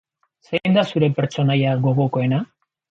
Zein da zure pertsonaia gogokoena?